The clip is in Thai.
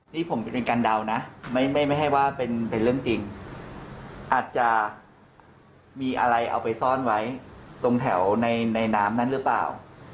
นี่ผมเป็นการเดานะไม่ให้ว่าเป็นเรื่องจริงอาจจะมีอะไรเอาไปซ่อนไว้ตรงแถวในน้ำนั้นหรือเปล่า